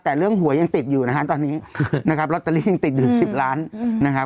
แต่เรื่องหวยยังติดอยู่นะฮะตอนนี้นะครับลอตเตอรี่ยังติดอยู่๑๐ล้านนะครับ